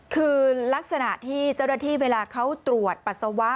คือลักษณะที่เจ้าหน้าที่เวลาเขาตรวจปัสสาวะ